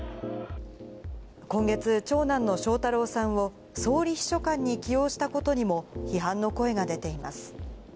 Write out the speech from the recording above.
今月、長男の翔太郎さんを総理秘書官に起用したことにも批判の声が出ています。